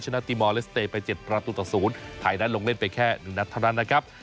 นาติมอลเลสเตย์ไป๗ประตูต่อ๐ไทยนั้นลงเล่นไปแค่๑นัดเท่านั้นนะครับ